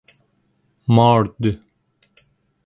مارد